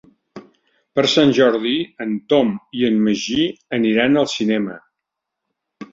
Per Sant Jordi en Tom i en Magí aniran al cinema.